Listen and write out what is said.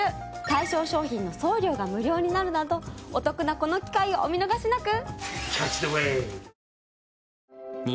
対象商品の送料が無料になるなどお得なこの機会をお見逃しなく！